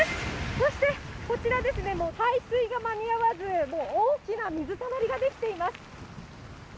そして、こちらですね、もう排水が間に合わず、大きな水たまりが出来ています。